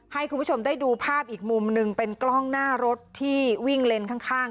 ให้คุณผู้ชมได้ดูภาพอีกมุมหนึ่งเป็นกล้องหน้ารถที่วิ่งเลนส์ข้าง